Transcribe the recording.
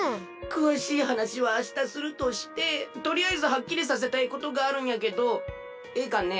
くわしいはなしはあしたするとしてとりあえずはっきりさせたいことがあるんやけどええかね？